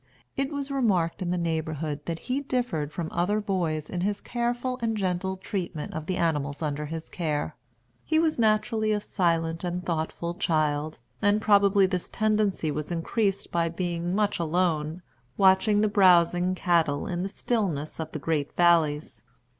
It was remarked in the neighborhood that he differed from other boys in his careful and gentle treatment of the animals under his care. He was naturally a silent and thoughtful child, and probably this tendency was increased by being much alone, watching the browsing cattle in the stillness of the great valleys.